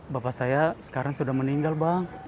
bapak saya sekarang sudah meninggal bang